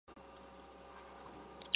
城铁在此设有伊萨尔门站。